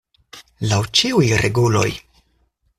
Laŭ ĉiuj reguloj!